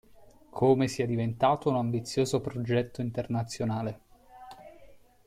Come sia diventato un ambizioso progetto internazionale.